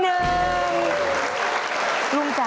ลุงจ๋า